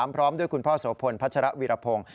พร้อมด้วยคุณพ่อโสพลพัชรวิรพงศ์